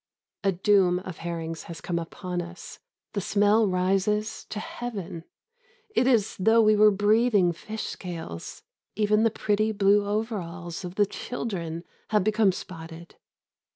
A doom of herrings has come upon us. The smell rises to heaven. It is as though we were breathing fish scales. Even the pretty blue overalls of the children have become spotted.